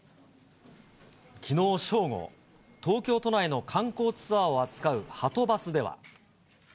きのう正午、東京都内の観光ツアーを扱うはとバスでは。